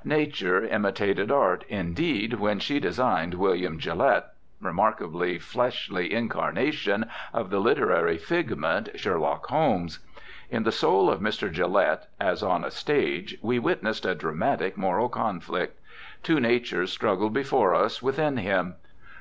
... Nature imitated art, indeed, when she designed William Gillette, remarkable fleshly incarnation of the literary figment, Sherlock Holmes. In the soul of Mr. Gillette, as on a stage, we witnessed a dramatic moral conflict. Two natures struggled before us within him.